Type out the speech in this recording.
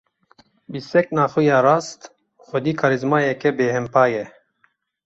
Bi sekna xwe ya rast, xwedî karîzmayeke bêhempa ye.